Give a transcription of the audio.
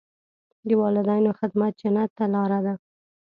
د والدینو خدمت جنت ته لاره ده.